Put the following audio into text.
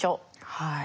はい。